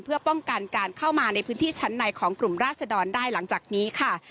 เพื่อป้องกันการเข้ามาในพื้นที่ชั้นในของกลุ่มราศดรได้หลังจากนี้ค่ะ